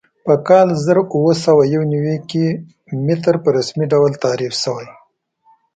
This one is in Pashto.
په کال زر اووه سوه یو نوي کې متر په رسمي ډول تعریف شوی.